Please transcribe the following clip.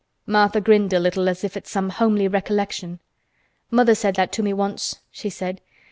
Martha grinned a little as if at some homely recollection. "Mother said that to me once," she said.